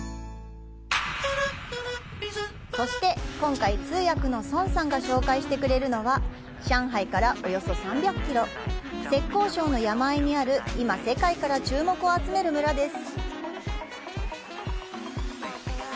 そして、今回、通訳の孫さんが紹介してくれるのは、上海からおよそ３００キロ、浙江省の山間にある、今、世界から注目を集める村です。